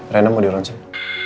renang mau di ronsen